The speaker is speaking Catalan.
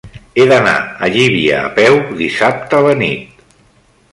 He d'anar a Llívia a peu dissabte a la nit.